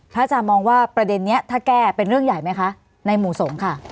อาจารย์มองว่าประเด็นนี้ถ้าแก้เป็นเรื่องใหญ่ไหมคะในหมู่สงฆ์ค่ะ